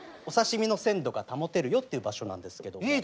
お刺身の鮮度が保てるよっていう場所なんですけども。